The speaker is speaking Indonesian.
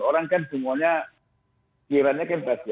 orang kan semuanya kiranya kan bagus